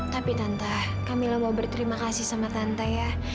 tapi tante kamilah mau berterima kasih sama tante ya